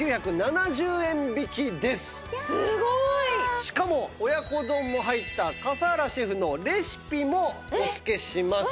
すごい！しかも親子丼も入った笠原シェフのレシピもお付けします。